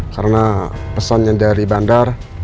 karena pesan yang dari bandar